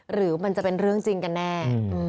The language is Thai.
หรือมันจะเป็นเรื่องจริงกันแน่